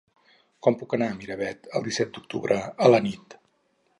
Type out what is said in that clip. Com puc anar a Miravet el disset d'octubre a la nit?